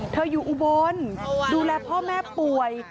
อยู่อุบลดูแลพ่อแม่ป่วย